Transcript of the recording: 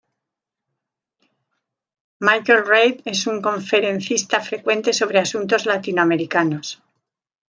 Michael Reid es un conferencista frecuente sobre asuntos latinoamericanos.